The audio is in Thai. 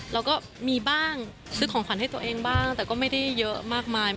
เราก็มีบ้างซื้อของขวัญให้ตัวเองบ้างแต่ก็ไม่ได้เยอะมากมาย